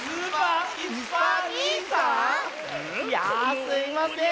いやあすいません。